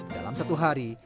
dalam satu hari